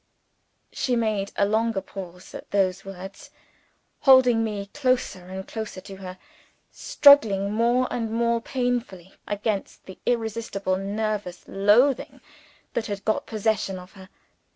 She made a longer pause at those words, holding me closer and closer to her; struggling more and more painfully against the irresistible nervous loathing that had got possession of her.